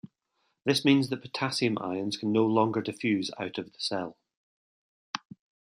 This means that potassium ions can no longer diffuse out of the cell.